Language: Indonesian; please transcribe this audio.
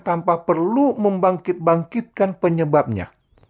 tanpa perlu membangkit bangkitkan penyebabnya